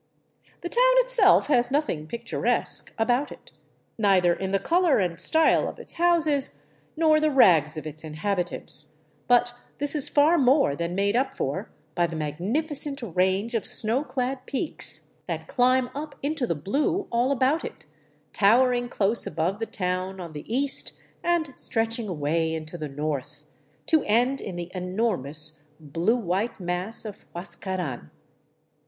The town itself has nothing " picturesque " about it, neither in the color and style of its houses nor the rags of its inhabitants ; but this is far more than made up for by the magnificent range of snowclad peaks that climb up into the blue all about it, tower ing close above the town on the east and stretching away into the north, to end in the enormous blue white mass of Huascaran.